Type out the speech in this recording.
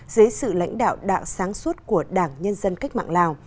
dưới sự lãnh đạo đạo sáng suốt của đảng nhân dân cách mạng lào